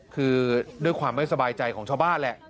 คือด้วยความไม่สบายใจของชาวบ้านแหละ